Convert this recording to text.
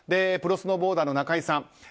プロスノーボーダーの中井さん。